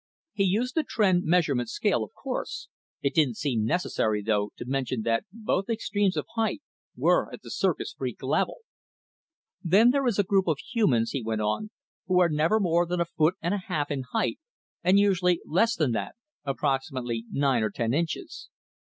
He used the Tr'en measurement scale, of course; it didn't seem necessary, though, to mention that both extremes of height were at the circus freak level. "Then there is a group of humans," he went on, "who are never more than a foot and a half in height, and usually less than that approximately nine or ten inches.